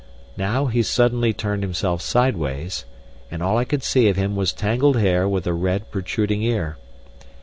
Now he suddenly turned himself sideways, and all I could see of him was tangled hair with a red, protruding ear.